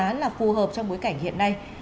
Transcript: vẫn là phù hợp trong bối cảnh hiện nay